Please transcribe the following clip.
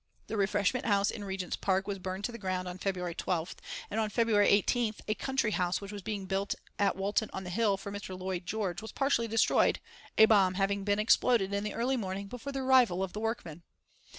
The refreshment house in Regents Park was burned to the ground on February 12th and on February 18th a country house which was being built at Walton on the Hill for Mr. Lloyd George was partially destroyed, a bomb having been exploded in the early morning before the arrival of the workmen.